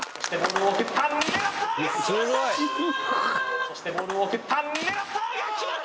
そしてボールを送った狙った！